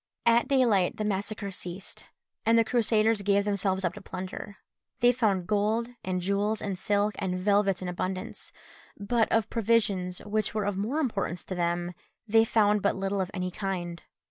At daylight the massacre ceased, and the Crusaders gave themselves up to plunder. They found gold, and jewels, and silks, and velvets in abundance, but of provisions, which were of more importance to them, they found but little of any kind.